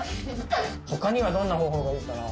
他にはどんな方法がいいかな？